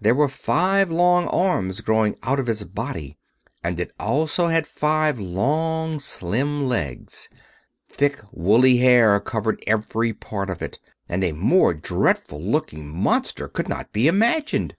There were five long arms growing out of its body, and it also had five long, slim legs. Thick, woolly hair covered every part of it, and a more dreadful looking monster could not be imagined.